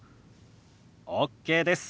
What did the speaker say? ＯＫです。